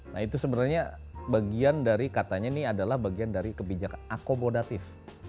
nah itu sebenarnya bagian dari katanya ini adalah bagian dari kebijakan akomodatif